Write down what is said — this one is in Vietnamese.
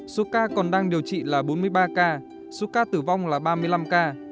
số ca còn đang điều trị là bốn mươi ba ca số ca tử vong là ba mươi năm ca